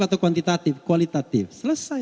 atau kuantitatif kualitatif selesai